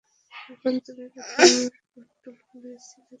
তখনই তুমি প্রথমবার পোর্টাল খুলেছিলে, তাই না?